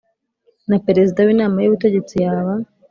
na Perezida w Inama y Ubutegetsi yaba